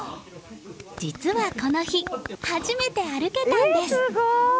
実はこの日、初めて歩けたんです。